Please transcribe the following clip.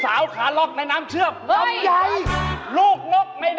จบเขาต้องเล่นกับเราไปแล้ว